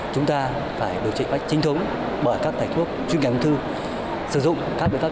chúng ta phải điều trị bách chính thống bởi các tài thuốc chuyên nghiệp ung thư sử dụng các biện pháp